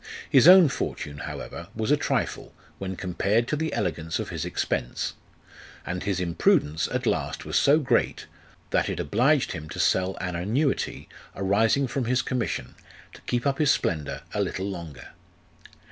His own fortune however was a trifle, when compared to the elegance of his expense ; and his imprudence at last was so great, that it obliged him to sell an annuity arising from his commission, to keep up his splendour a little longer.